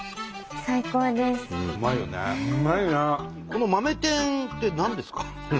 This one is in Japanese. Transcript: この豆天って何ですか？